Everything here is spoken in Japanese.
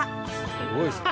すごいですね。